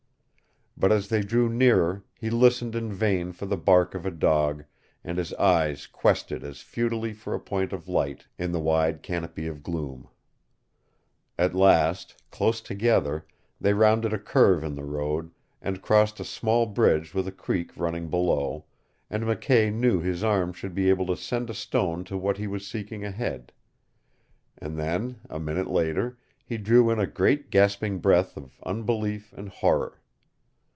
But as they drew nearer he listened in vain for the bark of a dog, and his eyes quested as futilely for a point of light in the wide canopy of gloom. At last, close together, they rounded a curve in the road, and crossed a small bridge with a creek running below, and McKay knew his arm should be able to send a stone to what he was seeking ahead. And then, a minute later, he drew in a great gasping breath of unbelief and horror.